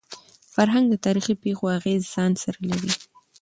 فرهنګ د تاریخي پېښو اغېز ځان سره لري.